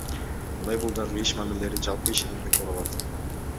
Лейблдеги иш мамилелери жалпы ишенимден куралат.